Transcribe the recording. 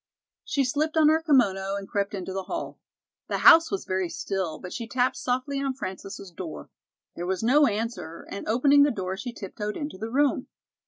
She slipped on her kimono and crept into the hall. The house was very still, but she tapped softly on Frances' door. There was no answer, and opening the door she tiptoed into the room.